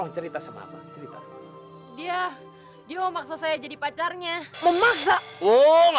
mas minta persoalan